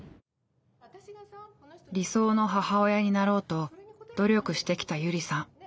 理想の母親になろうと努力してきたゆりさん。